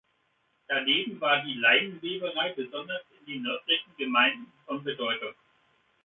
Daneben war die Leinenweberei besonders in den nördlichen Gemeinden von Bedeutung.